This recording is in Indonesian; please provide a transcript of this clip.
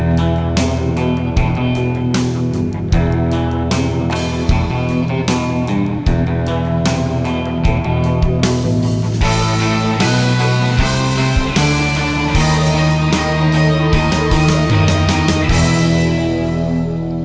bukan pertanyaan yang biasanya salah